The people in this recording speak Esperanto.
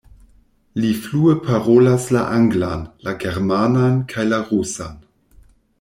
Li flue parolas la anglan, la germanan kaj la rusan.